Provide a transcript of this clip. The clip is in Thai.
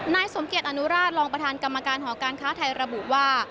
นายสมเกียจอนุราชรองประธานกรรมการหอการค้าไทยระบุว่า